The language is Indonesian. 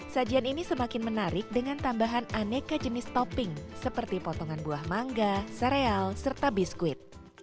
sajian ini semakin menarik dengan tambahan aneka jenis topping seperti potongan buah mangga sereal serta biskuit